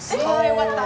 よかった。